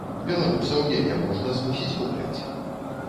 Беларусаў яе можна змусіць купляць.